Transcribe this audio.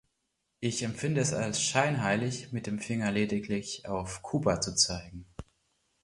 Ich empfinde es als scheinheilig, mit dem Finger lediglich auf Kuba zu zeigen.